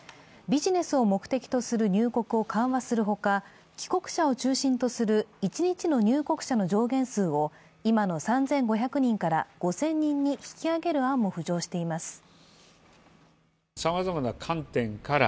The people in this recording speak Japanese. ビジネスを目的とする入国を緩和するほか帰国者を中心とする一日の入国者の上限数を今の３５００人から５０００人に引き上げる案も浮上しています。